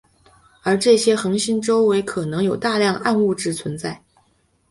而这些恒星周围可能有大量暗物质存在。